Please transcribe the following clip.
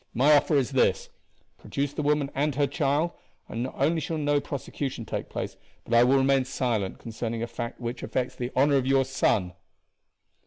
My offer is this: produce the woman and her child, and not only shall no prosecution take place, but I will remain silent concerning a fact which affects the honor of your son."